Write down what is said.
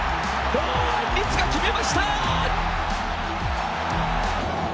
堂安律が決めました！